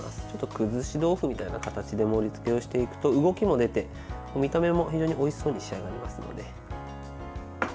崩し豆腐のみたいな形で盛りつけをしていくと動きも出て、見た目も非常においしそうに仕上がりますので。